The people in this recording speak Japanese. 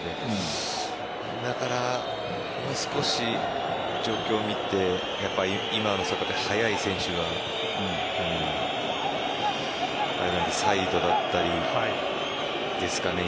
だから、もう少し状況を見て速い選手がサイドだったりですかね。